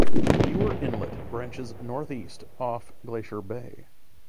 Muir Inlet branches northeast off Glacier Bay.